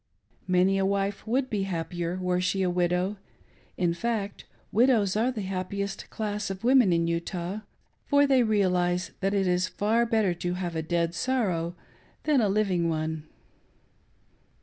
Many a wife would be happier were she a widow ; in fact, widows are the happiest class of women in Utah, for they realise that it is far better to have a dead sorrow than a living one.